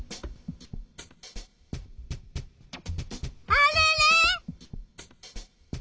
あれれ？